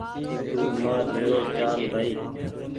تو مآر بهڙو چال بهائي